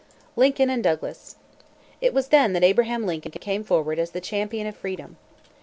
LINCOLN AND DOUGLAS. It was then that Abraham Lincoln came forward as the champion of freedom.